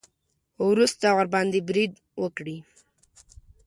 وروسته ورباندې برید وکړي.